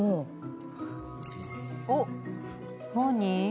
おっ何？